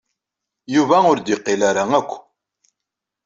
Yuba ur d-yeqqil ara akk.